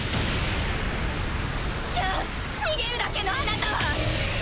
じゃあ逃げるだけのあなたは？